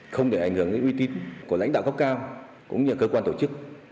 không để ảnh hưởng đến uy tín của lãnh đạo gốc cao cũng như cơ quan tổ chức